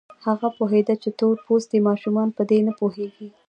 هغه پوهېده چې تور پوستي ماشومان په دې نه پوهېږي.